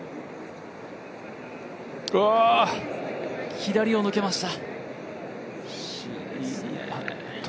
左を抜けました。